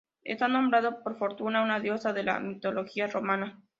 Está nombrado por Fortuna, una diosa de la mitología romana.